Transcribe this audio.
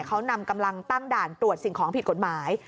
เขานำกำลังตั้งด่านตรวจสิ่งของผิดกฎหมาย